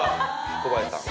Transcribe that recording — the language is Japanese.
小林さん